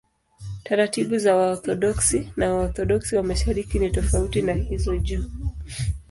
Taratibu za Waorthodoksi na Waorthodoksi wa Mashariki ni tofauti na hizo juu.